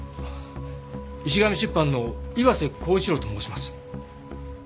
石神出版の岩瀬厚一郎と申します。